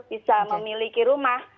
bisa memiliki rumah